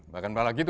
bahkan malah gitu